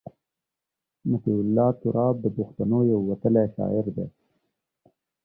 مطیع الله تراب د پښتنو یو وتلی شاعر دی.